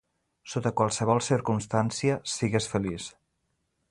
Sota qualsevol circumstància, sigues feliç.